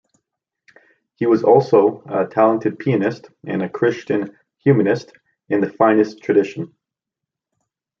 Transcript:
He was also a talented pianist and a Christian humanist in the finest tradition.